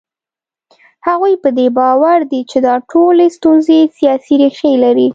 هغوی په دې باور دي چې دا ټولې ستونزې سیاسي ریښې لري.